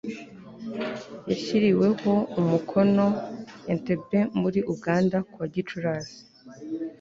yashyiriweho umukono Entebbe muri Uganda kuwa Gicurasi